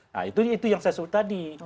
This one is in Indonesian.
nah itu yang saya sebut tadi